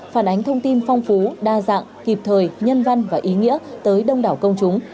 phản ánh thông tin phong phú đa dạng kịp thời nhân văn và ý nghĩa tới đông đảo công chúng